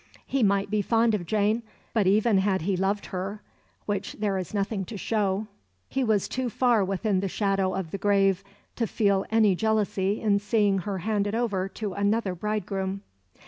He might be fond of Jane, but even had he loved her which there is nothing to show he was too far within the shadow of the grave to feel any jealousy in seeing her handed over to another bridegroom.